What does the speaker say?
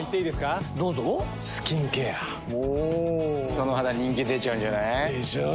その肌人気出ちゃうんじゃない？でしょう。